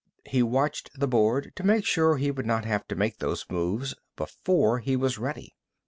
He watched the board to make sure he would not have to make those moves before he was ready.